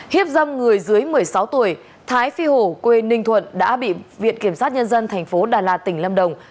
hiếp dâm người dưới một mươi sáu tuổi thái phi hổ quê ninh thuận đã bị viện kiểm sát nhân dân tp đà lạt tỉnh lâm đồng